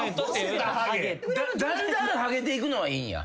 だんだんハゲていくのはいいんや？